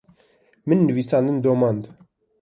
min nivîsandin domand.